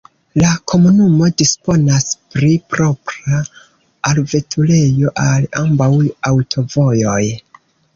La komunumo disponas pri propra alveturejo al ambaŭ aŭtovojoj.